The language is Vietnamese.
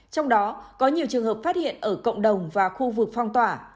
trong đó có nhiều trường hợp phát hiện ở cộng đồng và khu vực phong tỏa